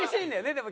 でも。